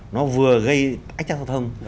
nó vừa gây ách chắc giao thông